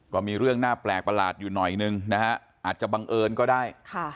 ก็มีเรื่องน่าแปลกประหลาดอยู่หน่อยนึงนะฮะอาจจะบังเอิญก็ได้